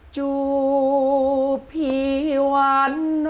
จูบพี่วัน